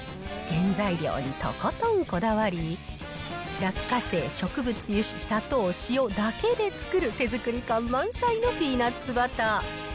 原材料にとことんこだわり、落花生、植物油脂、砂糖、塩だけで作る手作り感満載のピーナッツバター。